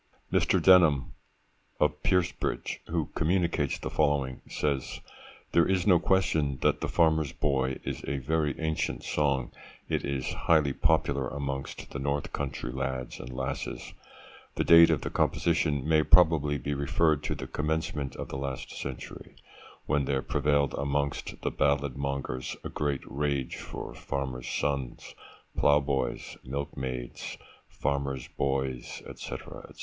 [MR. DENHAM of Piersbridge, who communicates the following, says—'there is no question that the Farmer's Boy is a very ancient song; it is highly popular amongst the north country lads and lasses.' The date of the composition may probably be referred to the commencement of the last century, when there prevailed amongst the ballad mongers a great rage for Farmers' Sons, Plough Boys, Milk Maids, Farmers' Boys, &c. &c.